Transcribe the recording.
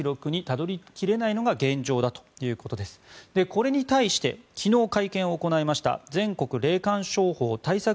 これに対して昨日、会見を行いました全国霊感商法対策